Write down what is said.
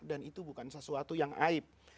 dan itu bukan sesuatu yang aib